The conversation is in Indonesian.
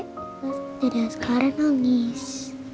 tadi sekarang nangis